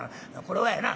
これはやな